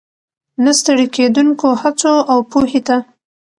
، نه ستړې کېدونکو هڅو، او پوهې ته